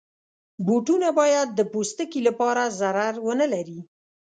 بوټونه باید د پوستکي لپاره ضرر ونه لري.